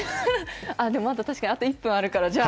でも確かに、あと１分あるから、じゃあ。